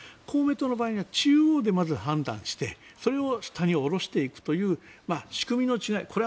公明党の場合は中央でまず判断してそれを下に下ろしていくという仕組みの違い。